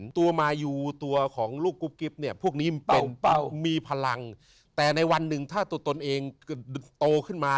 ตัวมายูตัวของลูกกุ๊บกิ๊บเนี่ยพวกนี้มันเป็นมีพลังแต่ในวันหนึ่งถ้าตัวตนเองโตขึ้นมา